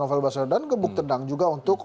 novel baswedan gebuk tendang juga untuk